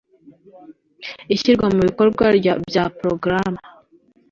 ishyirwa mu bikorwa bya porogaramu